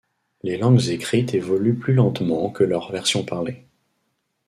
Les langues écrites évoluent plus lentement que leur version parlée.